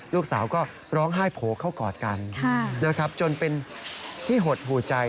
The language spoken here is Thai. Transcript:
ลูกสาวก็ร้องไห้โผล่เข้ากอดกันนะครับจนเป็นที่หดหูใจ